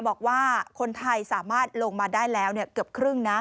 บอกว่าคนไทยสามารถลงมาได้แล้วเกือบครึ่งนะ